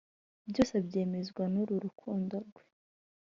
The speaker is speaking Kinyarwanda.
Byose abyemezwa nuru rukundo rwe